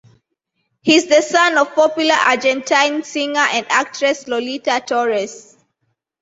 He's the son of popular argentine singer and actress Lolita Torres.